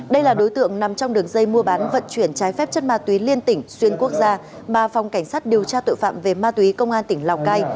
đây là đối tượng nằm trong đường dây mua bán vận chuyển trái phép chất ma túy liên tỉnh xuyên quốc gia mà phòng cảnh sát điều tra tội phạm về ma túy công an tỉnh lào cai